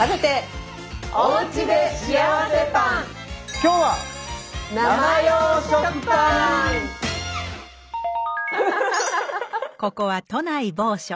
今日はここは都内某所。